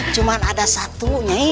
cuma ada satu nyai